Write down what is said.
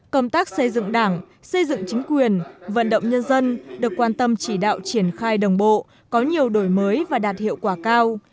công tác xây dựng đảng xây dựng chính quyền vận động nhân dân được quan tâm chỉ đạo triển khai đồng bộ có nhiều đổi mới và đạt hiệu quả cao